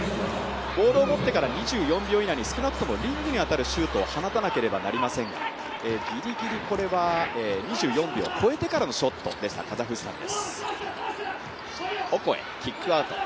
ボールを持ってから２４秒以内に少なくともリングに当たるシュートを放たなければなりませんがギリギリこれは２４秒超えてからのショットでした、カザフスタン。